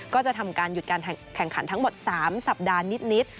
ก็จะทำการหยุดการแข่งขันทั้งหมด๓สัปดาห์นิด